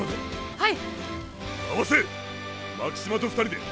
はい！